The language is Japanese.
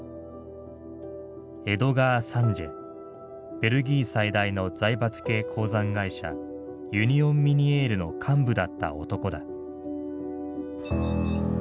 ベルギー最大の財閥系鉱山会社ユニオン・ミニエールの幹部だった男だ。